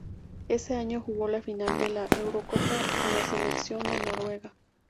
Ese año jugó la final de la Eurocopa con la Selección de Noruega.